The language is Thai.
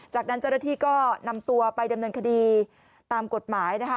จากนั้นเจ้าหน้าที่ก็นำตัวไปดำเนินคดีตามกฎหมายนะคะ